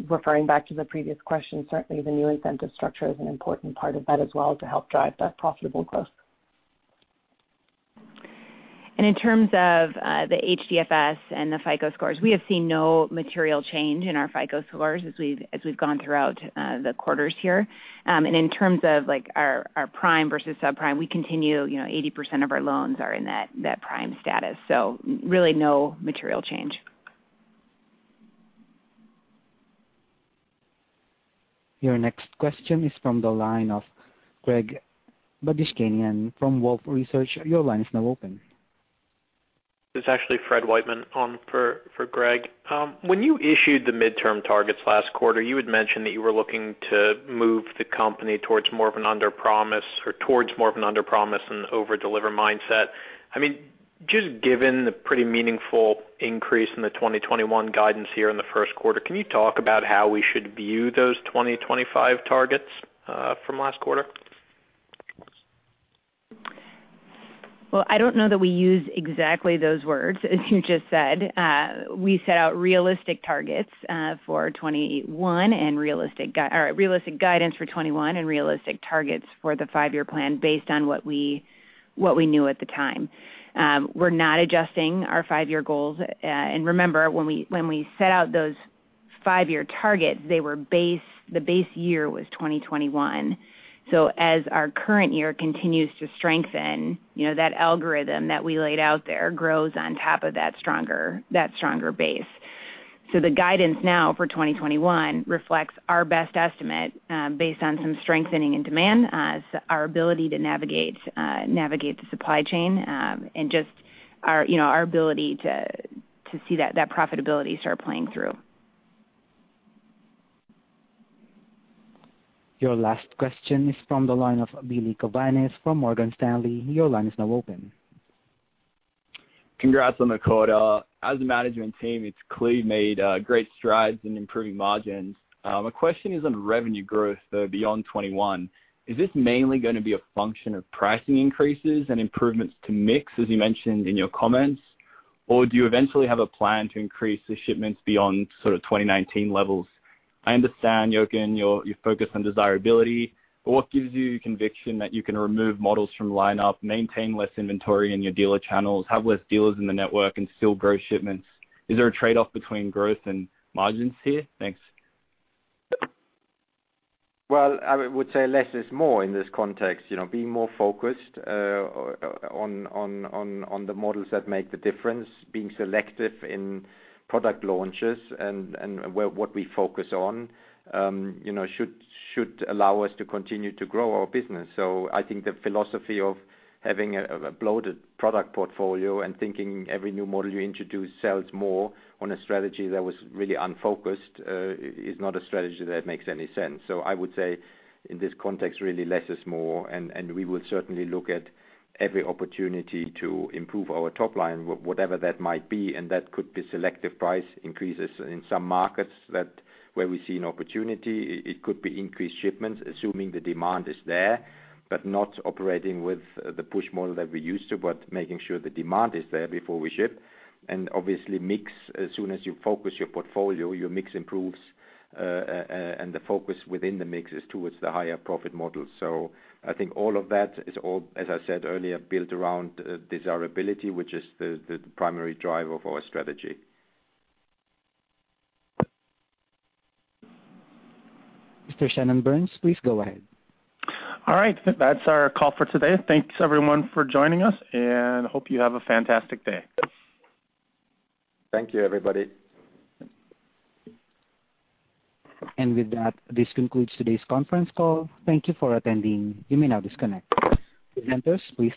Referring back to the previous question, certainly the new incentive structure is an important part of that as well to help drive that profitable growth. In terms of the HDFS and the FICO scores, we have seen no material change in our FICO scores as we've gone throughout the quarters here. In terms of our prime versus subprime, we continue, 80% of our loans are in that prime status. Really no material change. Your next question is from the line of Greg Badishkanian from Wolfe Research. Your line is now open. It's actually Fred Wightman on for Greg. When you issued the midterm targets last quarter, you had mentioned that you were looking to move the company towards more of an underpromise and over-deliver mindset. Just given the pretty meaningful increase in the 2021 guidance here in the first quarter, can you talk about how we should view those 2025 targets from last quarter? I don't know that we use exactly those words as you just said. We set out realistic targets for 2021 and realistic guidance for 2021 and realistic targets for the five-year plan based on what we knew at the time. We're not adjusting our five-year goals. Remember, when we set out those five-year targets, the base year was 2021. As our current year continues to strengthen, that algorithm that we laid out there grows on top of that stronger base. The guidance now for 2021 reflects our best estimate based on some strengthening in demand as our ability to navigate the supply chain and just our ability to see that profitability start playing through. Your last question is from the line of Billy Kovanis from Morgan Stanley. Your line is now open. Congrats on the quarter. As a management team, it's clearly made great strides in improving margins. My question is on revenue growth, though, beyond 2021. Is this mainly going to be a function of pricing increases and improvements to mix, as you mentioned in your comments? Or do you eventually have a plan to increase the shipments beyond sort of 2019 levels? I understand, Jochen, your focus on desirability, but what gives you conviction that you can remove models from lineup, maintain less inventory in your dealer channels, have less dealers in the network, and still grow shipments? Is there a trade-off between growth and margins here? Thanks. Well, I would say less is more in this context. Being more focused on the models that make the difference, being selective in product launches and what we focus on should allow us to continue to grow our business. I think the philosophy of having a bloated product portfolio and thinking every new model you introduce sells more on a strategy that was really unfocused is not a strategy that makes any sense. I would say, in this context, really less is more, and we will certainly look at every opportunity to improve our top line, whatever that might be, and that could be selective price increases in some markets where we see an opportunity. It could be increased shipments, assuming the demand is there, but not operating with the push model that we're used to, but making sure the demand is there before we ship. Obviously mix, as soon as you focus your portfolio, your mix improves, and the focus within the mix is towards the higher profit models. I think all of that is all, as I said earlier, built around desirability, which is the primary driver for our strategy. Mr. Shannon Burns, please go ahead. All right. That's our call for today. Thanks, everyone, for joining us, and hope you have a fantastic day. Thank you, everybody. With that, this concludes today's conference call. Thank you for attending. You may now disconnect.